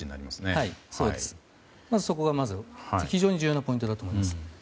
まず、そこが非常に重要なポイントだと思います。